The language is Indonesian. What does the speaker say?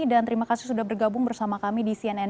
dan terima kasih sudah bergabung bersama kami di cnn news